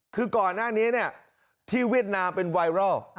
คือก่อนหน้านี้ที่เวียดนามเป็นไวรัล